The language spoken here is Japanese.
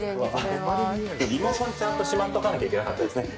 リモコンちゃんとしまっとかなきゃいけなかったですね。